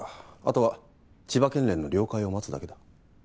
後は千葉県連の了解を待つだけだ。